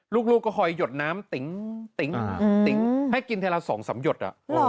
ลูกก็คอยหยดน้ำติ๊งให้กินเทลา๒๓หยดอะหรอ